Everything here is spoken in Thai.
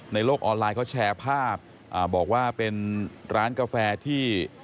โลกออนไลน์เขาแชร์ภาพบอกว่าเป็นร้านกาแฟที่